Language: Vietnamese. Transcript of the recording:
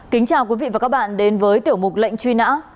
kính chào quý vị và các bạn đến với tiểu mục lệnh truy nã